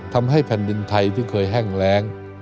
ทำให้แผ่นดินไทยที่เคยแห้งแรง